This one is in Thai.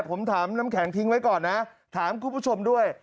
ผมถามน้ำแข็งทิ้งไว้ก่อนนะถามคุณผู้ชมด้วย